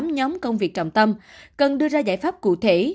tám nhóm công việc trọng tâm cần đưa ra giải pháp cụ thể